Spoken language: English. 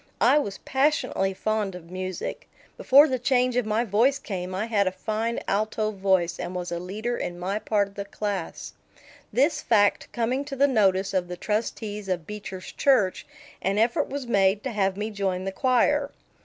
I was passionately fond of music. Before the change of my voice came I had a fine alto voice and was a leader in my part of the class. This fact coming to the notice of the trustees of Beecher's church, an effort was made to have me join the choir.